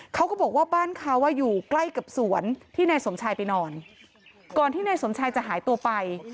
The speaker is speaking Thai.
เขาก็บอกว่าบ้านเขาอยู่ใกล้กับสวนที่นายสมชายไปนอนก่อนที่นายสมชายจะหายตัวไป